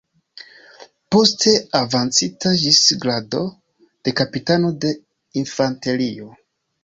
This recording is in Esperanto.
Poste avancita ĝis grado de kapitano de infanterio.